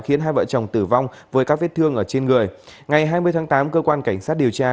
khiến hai vợ chồng tử vong với các vết thương ở trên người ngày hai mươi tháng tám cơ quan cảnh sát điều tra